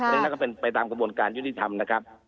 เรื่องนั้นก็เป็นไปตามกระบวนการยุติธรรมนะครับ